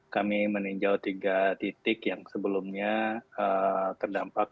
kami meninjau tiga titik yang sebelumnya terdampak